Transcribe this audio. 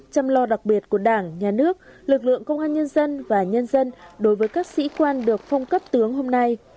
chăm lo đặc biệt của đảng nhà nước lực lượng công an nhân dân và nhân dân đối với các sĩ quan được phong cấp tướng hôm nay